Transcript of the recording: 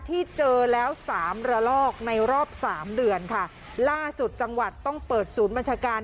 ที่เจอแล้วสามระลอกในรอบสามเดือนค่ะล่าสุดจังหวัดต้องเปิดศูนย์บัญชาการ